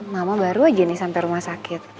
mama baru aja nih sampai rumah sakit